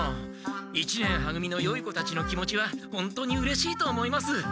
一年は組のよい子たちの気持ちはほんとにうれしいと思います。